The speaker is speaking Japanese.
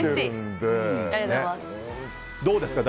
どうですか？